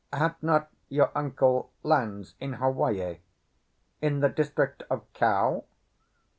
"Had not your uncle lands in Hawaii, in the district of Kau?"